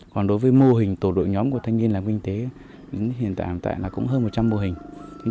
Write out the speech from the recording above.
còn đối với mô hình tổ đội nhóm của thanh niên làm kinh tế đến hiện tại là cũng hơn một trăm linh mô hình